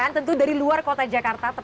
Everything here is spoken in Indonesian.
tentu dari luar kota jakarta